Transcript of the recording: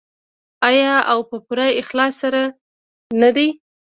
آیا او په پوره اخلاص سره نه دی؟